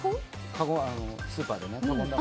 スーパーでね。